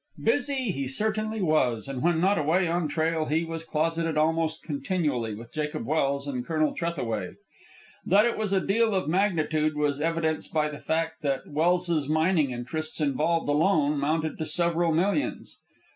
Busy he certainly was, and when not away on trail he was closeted almost continually with Jacob Welse and Colonel Trethaway. That it was a deal of magnitude was evidenced by the fact that Welse's mining interests involved alone mounted to several millions.